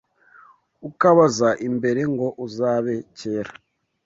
Ukabaza imbere. Ngo uzabe kera